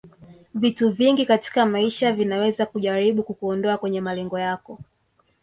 Vitu vingi katika maisha vinaweza kujaribu kukuondoa kwenye malengo yako